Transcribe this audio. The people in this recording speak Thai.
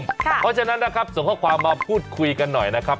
เพราะฉะนั้นนะครับส่งข้อความมาพูดคุยกันหน่อยนะครับ